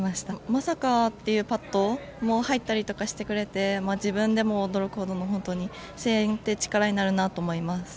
まさかっていうパットも入ったりとかしてくれて自分でも驚くほどの、声援って力になるなと思います。